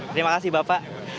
terima kasih bapak